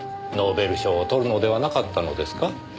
ノーベル賞を獲るのではなかったのですか？